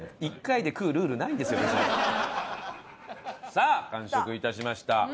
さあ完食致しました。